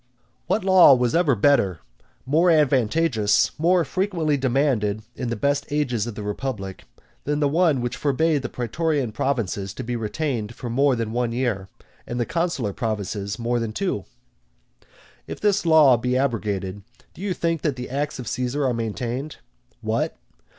VIII. What law was ever better, more advantageous, more frequently demanded in the best ages of the republic, than the one which forbade the praetorian provinces to be retained more than a year, and the consular provinces more than two? If this law be abrogated, do you think that the acts of Caesar are maintained? What?